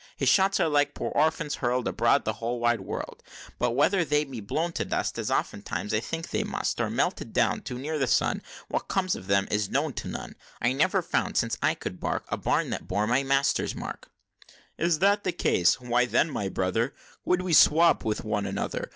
His shot are like poor orphans, hurl'd Abroad upon the whole wide world, But whether they be blown to dust, As often times I think they must, Or melted down too near the sun, What comes of them is known to none I never found, since I could bark, A Barn that bore my master's mark!" "Is that the case? Why then, my brother, Would we could swap with one another!